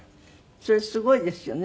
それすごいですよね。